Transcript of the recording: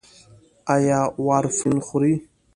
ایا وارفرین خورئ؟